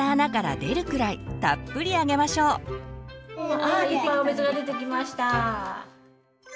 いっぱいお水が出てきました。